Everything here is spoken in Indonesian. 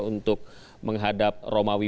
untuk menghadap romawi